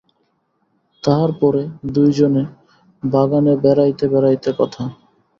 তাহার পরে দুইজনে বাগানে বেড়াইতে বেড়াইতে কথা।